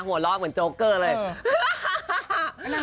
หัวเราะเหมือนโจ๊กเกอร์เลย